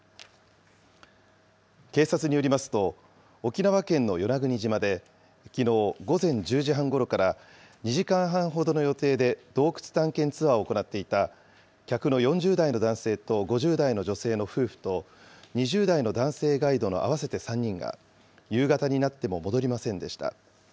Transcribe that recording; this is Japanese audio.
警察によりますと、沖縄県の与那国島できのう午前１０時半ごろから２時間半ほどの予定で洞窟探検ツアーを行っていた、客の４０代の男性と５０代の女性の夫婦と、２０代の男性ガイドの合わせて３人が、夕方になっても戻りませんでした。